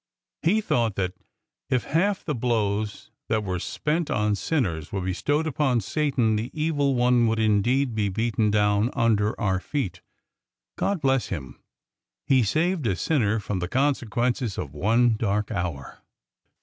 He thought that if half the blows that were spent upon sinners were bestowed upon Satan, the Evil One would indeed be beaten down under our feet. God bless him! He saved a sinner from the consequences of one dark hour!"